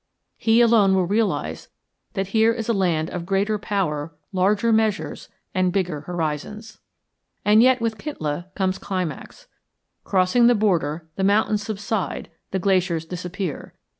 He alone will realize that here is a land of greater power, larger measures, and bigger horizons. And yet with Kintla comes climax. Crossing the border the mountains subside, the glaciers disappear.